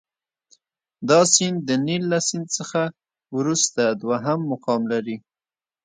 دا سیند د نیل له سیند څخه وروسته دوهم مقام لري.